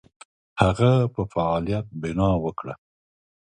هغه په فعالیت بناء وکړه.